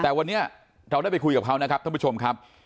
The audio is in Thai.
แต่วันนี้เราได้ไปคุยกับเขานะครับท่านผู้ชมครับ